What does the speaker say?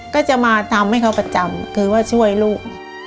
ก็จะมาทำให้เขาประจำคือว่าช่วยลูก